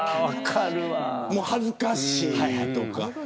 恥ずかしいとか。